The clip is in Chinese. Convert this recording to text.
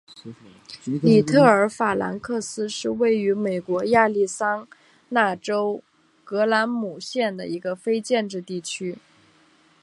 里特尔法兰克斯是位于美国亚利桑那州葛兰姆县的一个非建制地区。